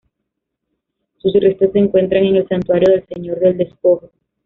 Sus restos se encuentran en el Santuario del Señor del Despojo.